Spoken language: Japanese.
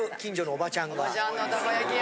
おばちゃんのたこ焼きや。